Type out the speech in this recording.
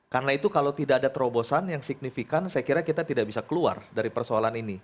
karena itu kalau tidak ada terobosan yang signifikan saya kira kita tidak bisa keluar dari persoalan ini